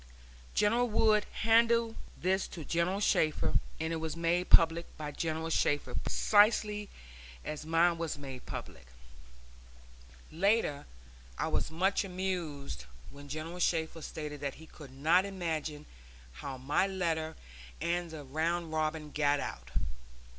General Wood handed this to General Shafter, and it was made public by General Shafter precisely as mine was made public.[*] Later I was much amused when General Shafter stated that he could not imagine how my letter and the round robin got out!